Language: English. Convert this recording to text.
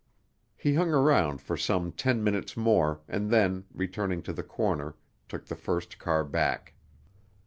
He hung around for some ten minutes more, and then, returning to the corner, took the first car back.